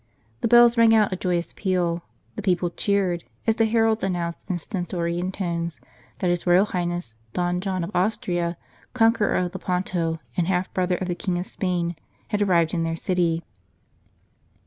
The bells rang out a joyous peal, the people cheered, as the heralds announced in stentorian tones that His Royal Highness Don John of Austria, conqueror of Lepanto, and half brother of the King of Spain, had arrived in their city.